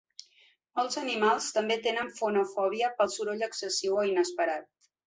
Molts animals també tenen fonofòbia pel soroll excessiu o inesperat.